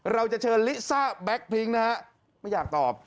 เราจะเชิญลิซ่าแบ็คพริ้งนะฮะไม่อยากตอบ